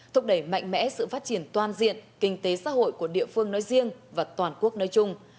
thúc đẩy mạnh mẽ sự phát triển toàn diện kinh tế xã hội của địa phương nói riêng và toàn quốc nói chung